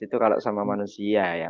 itu kalau sama manusia ya